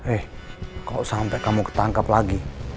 eh kok sampai kamu ketangkap lagi